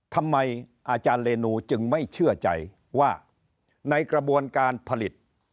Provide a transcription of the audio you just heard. ทำไมอาจารย์เรนูจึงไม่เชื่อใจว่าในกระบวนการผลิต